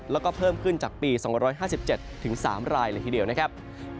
แล้วก็เพิ่มขึ้นจากปี๒๕๗๓รายเลยทีเดียวนะครับ